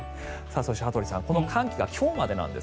そして羽鳥さんこの寒気は今日までなんです。